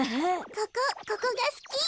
ここここがすき。